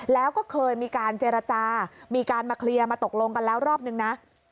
แล้วก็เคยมีการเจรจามีการมาเคลียร์มาตกลงกันแล้วรอบนึงนะ